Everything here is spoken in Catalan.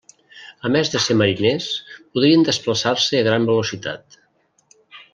A més de ser mariners podien desplaçar-se a gran velocitat.